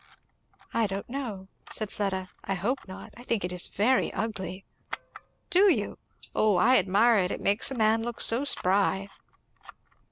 "I don't know," said Fleda. "I hope not. I think it is very ugly." "Do you? Oh! I admire it. It makes a man look so spry!"